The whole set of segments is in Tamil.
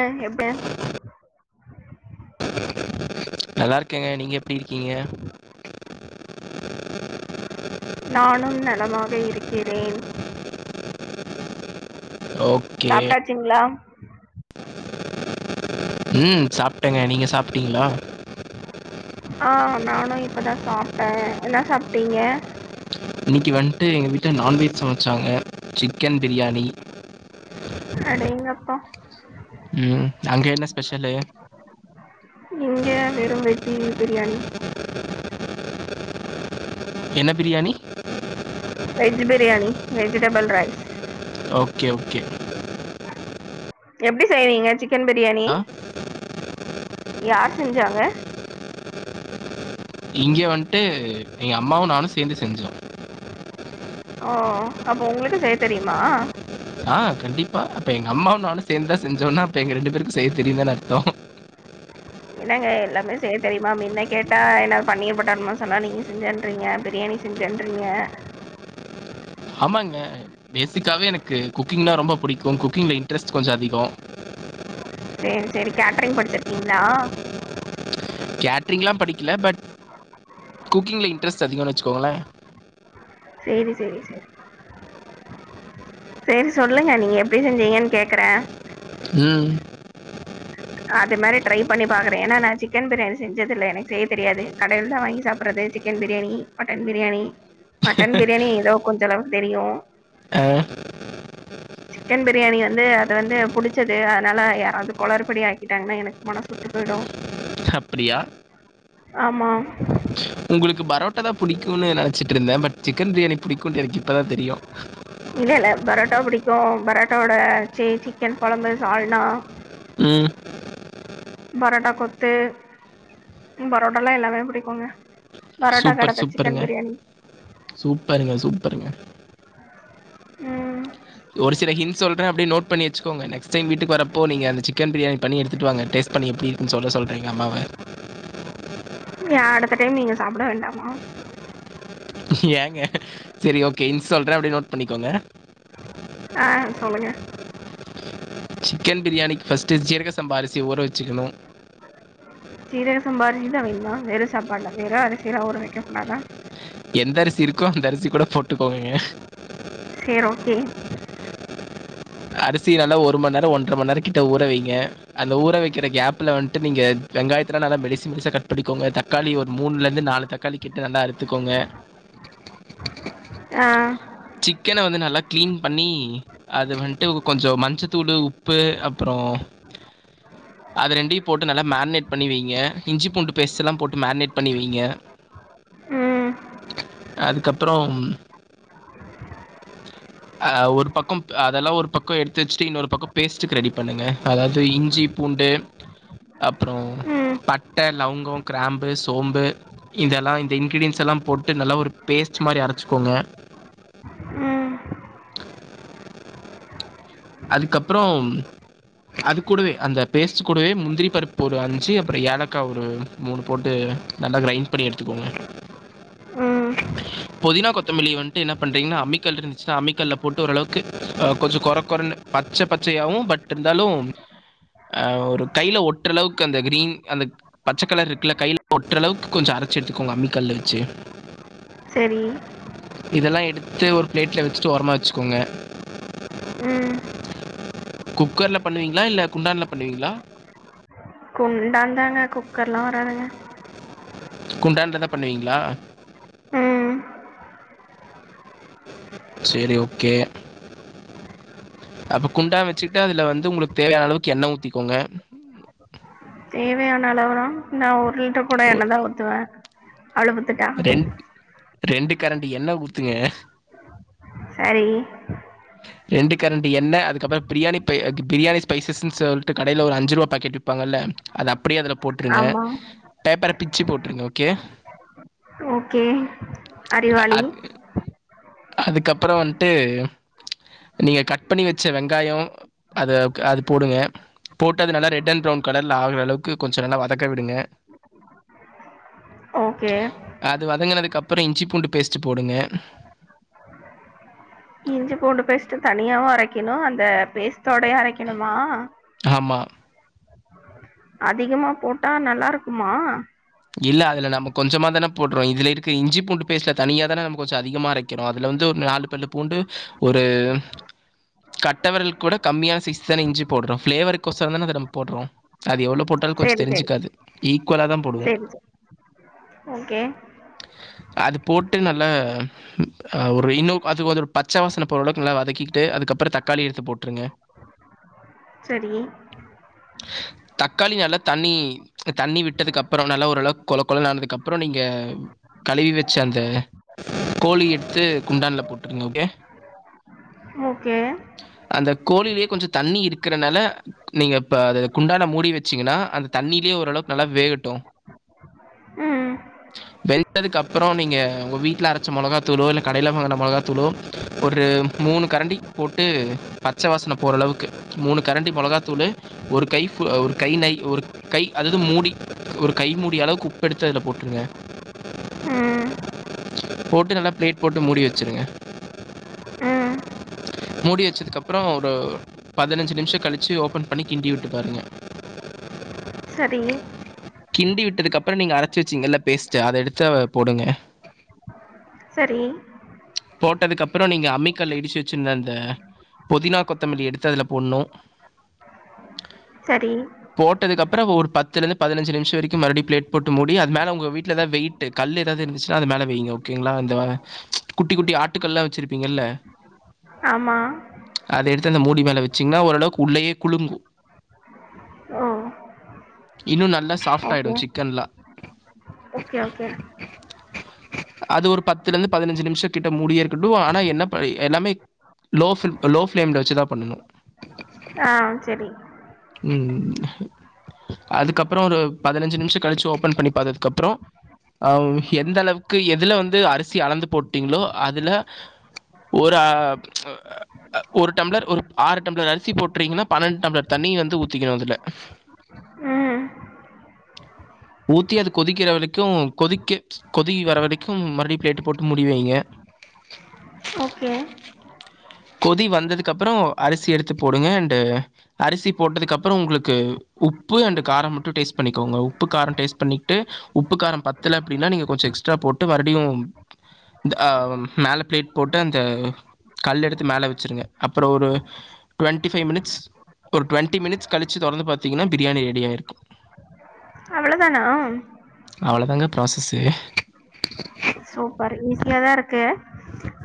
ஆ எப்ப நல்லா இருக்கேங்க நீங்க எப்டி இருக்கீங்க நானும் நலமாக இருக்கிறேன் ஓகே டிக்கலாம் ம் சாப்பிட்டேங்க நீங்க சாப்பிட்டீங்களா ஆ நானு இப்பதா சாப்ட்டே என்ன சாப்ட்டீங்க இன்னைக்கி வந்ட்டு எங்க வீட்ல நான்வெஜ் சமைச்சாங்க சிக்கன் பிரியாணி அடேங்கப்பா ம் அங்க என்ன ஸ்பெஷலு இங்க வெறு வெஜ் பி பிரியாணி என்ன biryani veg biryani vegetable rice okay okay எப்டி செய்வீங்க சிக்கன் பிரியாணி ஆ யார் செஞ்சாங்க இங்கே வந்ட்டு எங்க அம்மாவு நானு சேந்து செஞ்சோ ஓ அப்போ உங்களுக்கு செய்ய தெரியுமா அ கண்டிப்பா அப்ப எங்க அம்மாவு நானு சேந்துதா செஞ்சோனா அப்ப எங்க ரெண்டு பேருக்கு செய்ய தெரியுந்தான அர்த்தோ என்னங்க எல்லாமே செய்ய தெரியுமா அப்டினுதா கேட்டா என்னாவது பன்னீர் பட்டர்மசலா நீங்க செஞ்சறீங்க பிரியாணி செஞ்சன்றிங்க ஆமாங்க பேசிக்காவே எனக்கு குக்கிங்னா ரொம்ப புடிக்கும் குக்கிங்ல இன்ட்ரெஸ்ட் கொஞ்சோ அதிகோ செரி செரி கேட்ரிங் படிச்சுருங்கீங்கள கேட்ரிங்லா படிக்கல பட் குக்கிங்கில இன்ட்ரெஸ்ட் அதிகோன்னு வச்சுக்கோங்களே செரி செரி சரி செரி சொல்லுங்க நீங்க எப்டி செஞ்சீங்கன்னு கேக்குறே ம் அது மாறி ட்ரை பண்ணி பாக்குறே ஏன்னா நா சிக்கன் பிரியாணி செஞ்சது இல்ல எனக்கு செய்ய தெரியாது கடையில்ல தா வாங்கி சாப்படறது chicken biryani mutton biryani mutton biryani ஏதோ கொஞ்ச அளவுக்கு தெரியு அ. சிக்கன் பிரியாணி வந்து அது வந்து புடிச்சது அதனால யாராவது கொளறுபடி ஆக் கிட்டாங்கன்னா எனக்கு மனசு வுட்டு போயிடு அப்டியா ஆமாம் உங்களுக்கு பரோட்டா தா புடிக்கும்ன்னு நெனைச்சிட்டு இருந்தே பட் சிக்கன் பிரியாணி புடிக்குன்னு எனக்கு இப்பதா தெரியு இல்ல இல்ல பரோட்டா புடிக்கு பரோட்டாவோட சிக்கன் கொழம்பு சால்னா ம் பரோட்டா கொத்து பரோட்டால எல்லாமே புடிக்குங்க சூப்பர் சூப்பருங்க சூப்பருங்க சூப்பருங்க ம் ஒரு சில கின்சு சொல்றே அப்டியே நோட் பண்ணி வச்சுக்கோ நெக்ஸ்ட் டைம் வீட்டுக்கு வரப்ப நீங்க அந்த சி க்கன் பிரியாணி பண்ணி எடுத்துட்டு வாங்க டேஸ்ட் பண்ணி எப்டி இருக்குன்னு சொல்ல சொல்றே எங்க அம்மாவ ஏ அடுத்த டைம் நீங்க சாப்ட வேண்டாமா ஏங்க சரி ஓகே இன் சொல்றே அப்டியே நோட் பண்ணிக்கோங்க ஆ சொல்லுங்க சிக்கன் பிரியாணிக்கு ஃபர்ஸ்ட்டு ஜீரக சம்பா அரிசிய ஊர வச்சுக்கணும் சீரக சம்பா அரிசி தா வேணுமா வெறு சாப்பாட்ல வெறு அரிசில ஊற வெக்கக்கூடாதா எந்த அரிசி இருக்கோ அந்த அரிசிகுட போட்டுகோங்கக சேர் ஓகே அரிசி நல்லா ஒரு மண் நேர ஒன்றர மண் நேர கிட்ட ஊற வைங்க அந்த ஊற வைக்கிற கேப்ல வன்ட்டு நீங்க வெங்காயத்த நல்லா மெலிசு மெலிசா கட் பண்ணிகோங்க தக்காளி ஒரு மூண்ல இருந்து நாலு தக் காளிகிட்டு நல்லா அறுத்துக்கோங்க ஆ சிக்கன வந்து நல்லா க்ளீன் பண்ணீ அது வன்ட்டு கொஞ்ச மஞ்சதூளு உப்பு அப்றோ [unintelligible] அத ரெண்டியு போட்டு நல்லா மேன்னேட் பண்ணி வைங்க இஞ்சி பூண்டு பேஸ்ட்லா போட்டு மேன்னேட் பண்ணி வைங்க ம் அதுக்கப்றோம் அ ஒரு பக்கம்ப் அதெல்லா ஒரு பக்கோ எடுத்து வச்சிட்டு இன்னொரு பக்கோ பேஸ்ட்டுக்கு ரெடி பண்ணுங்க அதாது இஞ்சி பூண்டு உ அப்றோ பட்ட லவங்கோ கிராம்பு சோம்பு இதெல்லா இந்த இன்கிரீடியன்ஸ் எல்லா போட்டு நல்லா ஒரு பேஸ்ட்டு மாரி அரச்சிக்கோங்க ம் அதுக்கப்றோ அது கூடவே அந்த பேஸ்ட்டு கூடவே முந்திரி பருப்பு ஒரு அஞ்சி அப்றோ ஏலக்கா ஒரு மூணு போட்டு நல்லா கிரைன் பண்ணி எடுத்துக்கோங்க ம் பொதினா கொத்தமல்லி வன்ட்டு என்னா பண்றீங்கன்னா அமிக்கல்லு இருந்துச்சின்னா அம்மிக்கல்ல போட்டு ஓரளவுக்கு கொஞ்ச கொற கொறனு பச்ச பச்சயாவு பட் இருந்தாலு அ ஒரு கைல ஒட்ற அளவுக்கு அந்த கிரீன் அந்த பச்சக்கலர் இருக்குல்ல கையில ஒற்ற அளவுக்கு கொஞ்ச அரச்சி எடுத்துக்கோங்க அம்மி கல்ல வச்சி செரி இதெல்லா எடுத்து ஒரு பிளேட்ல வச்சுட்டு ஓரமா வச்சிக்கோங்க ம் குக்கர்ல பண்ணுவீங்ளா இல்ல குண்டான்ல பண்ணுவீங்களா குண்டாந்தாங்க குக்கர்லா வராதுங்க குண்டான்ல தா பண்ணுவீங்களா ம் செரி ஓகே அப்ப குண்டா வச்சிட்டு அதுல வந்து ஒங்களுக்கு தேவையான அளவுக்கு எண்ணெ ஊத்திக்கோங்க தேவையான அளவுனா நா ஒரு லிட்டர் கூட எண்ணெ தா ஊத்துவே அளவுதிட்டா ரெண்ட் ரெண்டு கரண்டி எண்ணெ ஊத்துங்க சரி ரெண்டு கரண்டி எண்ணெ அதுக்கப்றோ பிரியாணி பை பிரியாணி ஸ்பைசஸ்ன்னு சொல்ட்டு கடையில ஒரு அஞ்சுருவா பாக்கெட் விப்பாங்கல்ல அது அப்டியே அதுல போட்ருங்க ஆமாம் பேப்பர பிச்சி போட்ருங்க ஓகே ஓகே அறிவாளி அதுக்கப்றோ வன்ட்டு நீங்க கட் பண்ணி வெச்ச வெங்காய அத அது போடுங்க போட்டது நல்லா ரெட் அண்ட் ப்ரவுன் கலர்ல ஆகுற அளவுக்கு கொஞ்சோ நல்லா வதக்க விடுங்க ஓகே அது வதங்கினதுக்கப்புறோம் இஞ்சி பூண்டு பேஸ்ட்டு போடுங்க இஞ்சி பூண்டு பேஸ்ட் தனியாவும் அரைக்கணும் அந்த பேஸ்ட்டோடயே அரைக்கணுமா ஆமா அதிகமா போட்டா நல்லா இருக்குமா இல்ல அதுல நம்ம கொஞ்சமா தான போட்றோ இதுல இருக்க இஞ்சி பூண்டு பேஸ்ட்ல தனியா தான நம்ம கொஞ்சோ அதிகமா அரைக்கிரோ அதுல வந்து ஒரு நாலு வெள்ள பூண்டு ஒரு கட்ட விரல் கூட கம்மியான சைஸ் தான இ்ஞ்சி போட்றோ ப்ளேவர் கோஷ்ர தான போட்றோ அது போட்டாலு கொஞ்ச சேரி சேரி தெரிஞ்சுக்காது ஈக்குவலா தா போடுவோ சேரி சேரி ஓகே அது போட்டு நல்ல அ ஒரு இன்னு அதுக்கு வந்து ஒரு பச்ச வாசன போரளவுக்கு நல்லா வதக்கிட்டு அதுக்கப்புறோ தக்காளி எடுத்து போட்ருங்க சரி தக்காளி நல்லா தண்ணி தண்ணி விட்டதுக்கு அப்புறோநல்லா ஒரு நல்லா கொல கொலனு ஆனதுக்கு அப்றோ நீங்க கழுவி வச்சு அந்த கோழி எடுத்து குண்டான்ல போட்ருங்க ஓகே ஓகே அந்த கோழிலயே கொஞ்சோ தண்ணி இருக்கறனால நீங்க இப்ப அத குண்டான மூடி வச்சீங்கன்னா அந்த தண்ணியிலேயே ஓரளவுக்கு நல்லா வேகட்டு ம் வெந்ததுக்கு அப்றோ நீங்க உங்க வீட்ல அரச்ச மொளகாத்தூளோ இல்ல கடையில வாங்கின மொளகாத்தூளோ ஒரு மூணு கரண்டி போட்டு பச்ச வாசன போற அளவுக்கு மூணு கரண்டி மொளகாத்தூள் ஒரு கை ஒரு கை நை ஒரு கை அது மூடி ஒரு கை மூடிய அளவுக்கு உப்பு எடுத்து அதுல போட்ருங்க ம் போட்டு நல்லா பிளேட் போட்டு மூடி வச்சுடுங்க உம் மூடி வச்சதுக்கு அப்றோ ஒரு பதினஞ்சு நிமிஷோ கழிச்சு ஓப்பன் பண்ணி கிண்டி விட்டு பாருங்க சரி கிண்டி விட்டதுக்கப்புறோ நீங்க அரச்சி வச்சிங்கல்ல பேஸ்ட்டு அத எடுத்து போடுங்க சரி போட்டதுக்கு அப்புறோ நீங்க அம்மிக்கல்ல இடிச்சு வச்சிருந்த அந்த புதினா கொத்தமல்லிய எடுத்து அதுல போட்ணு சரி போட்டதுக்கு அப்புறோ ஒரு பத்துல இருந்து பதினஞ்சு நிமிஷோ வரைக்கு மறுபடி பிளேட் போட்டு முடி அது மேல உங்க வீட்ல தா வெயிட் கல் ஏதாவது இருந்துச்சுன்னா அது மேல வையுங்க ஓகேங்களா இந்த குட்டி குட்டி ஆட்டுக்கல்லா வச்சுருப்பீங்கள்ல ஆமா அத எடுத்து அந்த மூடி மேல வச்சீங்கன்னா ஓரளவுக்கு உள்ளேயே குளுங்கு ஓ இன்னூ நல்லா சாஃப்ட் ஆயிடு ஓகே சிக்கன்லா ஓகே ஓகே அது ஒரு பத்துல இருந்து பதினஞ்சு நிமிஷ கிட்ட மூடியே இருக்கட்டு ஆனா என்ன பண் எல்லாமே லோ ஃபிலீம் லோ ஃப்லேம் ல வச்சு தா பண்ணனு ஆ சரி ம் அதுக்கப்புற ஒரு பதினஞ்சு நிமிஷ கழிச்சு ஓபன் பண்ணி பாத்ததுக்கு அப்புறோ அ எந்த அளவுக்கு எதுல வந்து அரிசி அளந்து போட்டீங்களோ அதுல ஒரு ஆ அ ஒரு டம்ளர் ஒரு ஆறு டம்ளர் அரிசி போட்றீங்கன்னா பன்னெண்டு டம்ளர் தண்ணி வந்து ஊத்திக்கணு அதுல ம் ஊத்தி அது கொதிக்கிற வரைக்கு கொதிக்க கொதி வர வரைக்கு மறுபடியு பிளேட் போட்டு முடிவைங்க ஓகே கொதி வந்ததுக்கு அப்புற அரிசிய எடுத்து போடுங்க அண்டு அரிசி போட்டதுக்கு அப்புற உங்குளுக்கு உப்பு அண்டு கார மட்டு டேஸ்ட் பண்ணிக்கோங்க உ ப்பு கார டேஸ்ட் பண்ணிக்ட்டு உப்பு கார பத்தலனா அப்டின்னா நீங்க கொஞ்சஎக்ஸ்ட்ரா போட்டு மறுபடியு ஆ மேலே பிளேட் போட்டு அந்த கல் எடுத்து மேல வெச்சிருங்க அப்பறோ ஒரு டுவெண்டி ஃபைவ் மினிட்ஸ் ஒரு டுவெண்டி மினிட்ஸ் கழிச்சு தொறந்து பாத்திங்கன்னா பிரியாணி ரெடியாயிருக்கு அவளோ தானா அவளோதாங்க ப்ராஸஸ்ஸு சூப்பர் ஈஸியாதா இருக்கு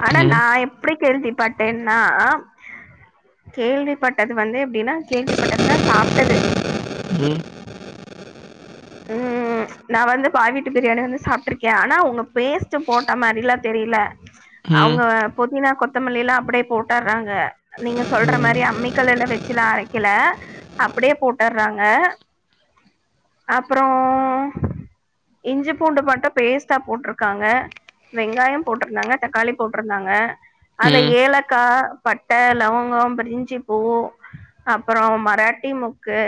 ஆனா ம் நா எப் புடி கேள்விப்பட்டேன்னா கேள்விப்பட்டது வந்து எப்டினா கேள்விப்பட்டதுனா சாப்டது ம் ம் நா வந்து பாய் வீட்டு பிரியாணி வந்து சாப்ட்டுருக்கே ஆனா அவுங்க பேஸ்ட் போட்ட மாரிலா தெரில ம் ம் அவுங்க புதினா கொத்தமல்லி எல்லா அப்டியே போட்டுறாங்க நீங்க சொல்ற மாரி அம்மி கல்லுல வெச்சுலா அரைக்கல அப்டியே போட்டுறாங்க அப்றோ இஞ்சி பூண்டு மட்டு பேஸ்ட்டா போட்ருக்காங்க வெங்காயம் போட்ருந்தாங்க தக்காளி போட்ருந்தாங்க அந்த ம் ஏலக்கா பட்டை லவங்கம் பிரிஞ்சு பூ அப்பறோ மராட்டி மொக்கு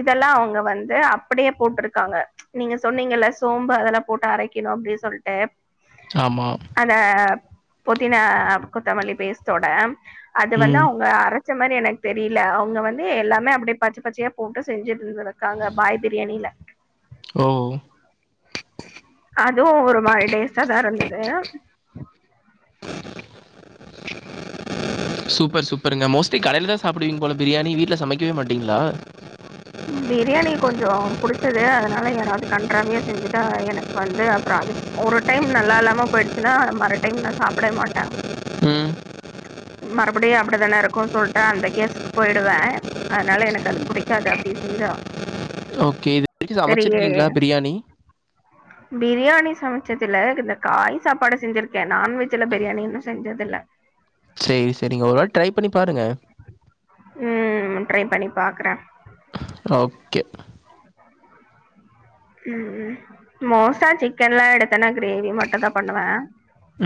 இதெல்லா அவுங்க வந்து அப்படியே போட்ருக்காங்க நீங்க சொன்னீங்கல்ல சோம்பு அதெல்லா போட்டு அரைக்கிணு அப்டி சொல்ட்டு ஆமா அந்த புதினா கொத்தமல்லி பேஸ்டோட அது வந்து ம் அவுங்க அரச் ச மாரி எனக்கு தெரில அவுங்க வந்து எல்லாமே அப்டியே பச்ச பச்சயா போட்டு செஞ்சுட்டுந்திருக்காங்க பாய் பிரியாணில ஓ அதுவு ஒரு மாரி டேஸ்ட்டா தா இருந்தது சூப்பர் சூப்பருங்க மோஸ்ட்லி கடயில தா சாப்புடுவீங்க போல பிரியாணி வீட்ல சமைக்கவே மாட்டீங்ளா பிரியாணி கொஞ்ச புடிச்சது அதுனால யாராவது கன்ராவியா செஞ்சுட்டா எனக்கு வந்து அப்புறோ அது ஒரு டைம் நல்லா இல்லாம போயிடுச்சுன்னா மறு டைம் நா சாப்டவே மாட்ட ம் மறுபடியு அப்புடித்தானே இருக்குன் சொல்ட்டு அந்த கேஸ்க்கு போயிடுவே அதுனால எனக்கு அது புடிக்காது [unintelligible] செஞ்சா ஓகே. இது வரைக்கும் தெரியலையே சமைச்சிருக்கீங்களா பிரியாணி? பிரியாணி சமைச்சதுல இந்த காய் சாப்பாடு செஞ்சிருக்கே நான்வெஜ்ல பிரியாணி இன்னு செஞ்சது இல்ல சேரி சேரிங்க ஒரு வாட்டி ட்ரை பண்ணி பாருங்க ம் ட்ரை பண்ணி பாக்குறே ஓகே ம் மோஸ்ட்டா சிக்கன்லா எடுத்தேனா கிரேவி மட் டுதா பண்ணுவே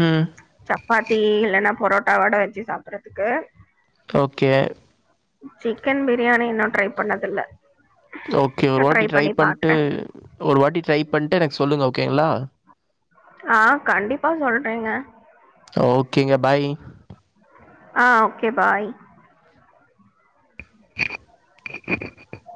ம். சப்பாத்தி இல்லைன்னா பரோட்டாவோட வெச்சி சாப்புட்றதுக்கு ஓகே சிக்கன் பிரியாணி இன்னு ட்ரை பண்ணதில்ல ஓகே ஒரு வாட்டி ட்ரை பண்ணி பண்ணிட்டு பாக்குறேன் ஒரு வாட்டி ட்ரை பண்ணிட்டு எனக்கு சொல்லுங்க ஓகேங்ளா ஆ கண்டிப்பா சொல்றேங்க ஓகேங்க பாய் ஆ ஓகே பாய் [inaudible]